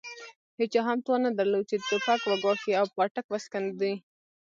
هېچا هم توان نه درلود چې توپک وګواښي او پاټک وسکونډي.